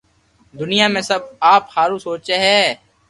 دنيا ۾ سب آپ ھارون سوچي ھي